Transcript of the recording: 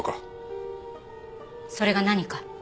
それが何か？